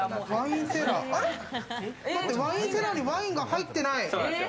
ワインセラーにワインが入ってない。